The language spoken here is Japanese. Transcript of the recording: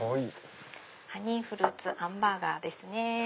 ハニーフルーツあんバーガーです。